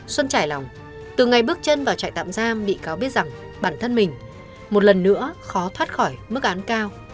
xuân trải lòng từ ngày bước chân vào trại tạm giam bị cáo biết rằng bản thân mình một lần nữa khó thoát khỏi mức án cao